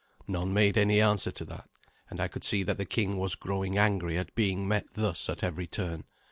None made any answer to that, and I could see that the king was growing angry at being met thus at every turn.